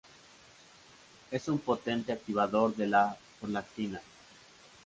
Es un potente activador de la prolactina.